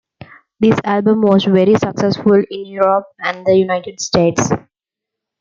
This album was very successful in Europe and the United States.